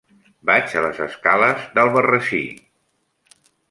Vaig a les escales d'Albarrasí.